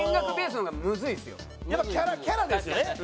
やっぱキャラですよね。